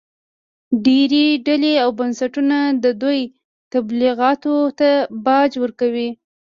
ډېرې ډلې او بنسټونه د دوی تبلیغاتو ته باج ورکوي